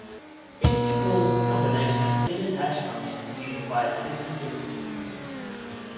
Bitzi calls the combination of standard hash functions used by its system bitprints.